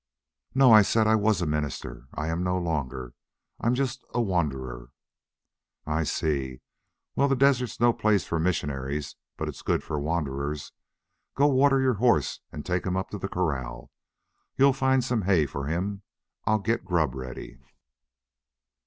"No. I said I WAS a minister. I am no longer. I'm just a a wanderer." "I see. Well, the desert's no place for missionaries, but it's good for wanderers.... Go water your horse and take him up to the corral. You'll find some hay for him. I'll get grub ready."